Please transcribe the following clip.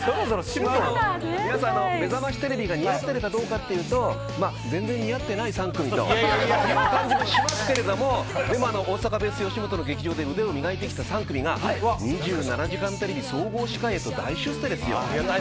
めざましテレビが似合ってるかというと全然似合ってない３組。という気がしますけれども大阪ｂａｓｅよしもとの劇場から腕を磨いてきた３組が２７時間テレビ総合司会へと大出世ですよ。